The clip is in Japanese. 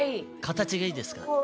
形がいいですか。